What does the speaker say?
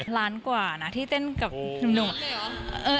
ล้านกว่านะที่เต้นกับหนุ่ม